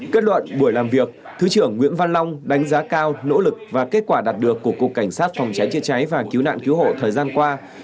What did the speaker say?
kết luận buổi làm việc thứ trưởng nguyễn văn long đánh giá cao nỗ lực và kết quả đạt được của cục cảnh sát phòng cháy chữa cháy và cứu nạn cứu hộ thời gian qua